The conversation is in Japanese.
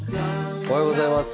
おはようございます。